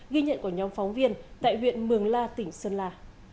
ghi nhận của nhóm phóng viên tại huyện mường la tỉnh sơn la